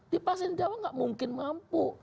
dipaksain di jawa enggak mungkin mampu